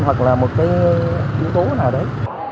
hoặc là một cái yếu tố nào đấy